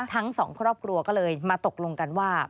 ทั้งสองครอบครัวก็เลยมาตกลงกันว่า